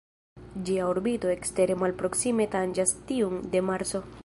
Ĝia orbito ekstere malproksime tanĝas tiun de Marso.